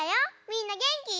みんなげんき？